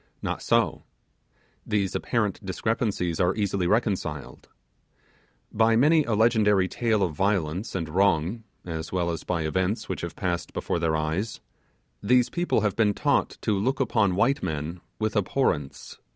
Not so; these apparent discrepancies are easily reconciled. By many a legendary tale of violence and wrong, as well as by events which have passed before their eyes, these people have been taught to look upon white men with abhorrence.